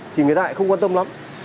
thì người ta lại không quan tâm lắm